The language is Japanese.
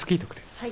はい。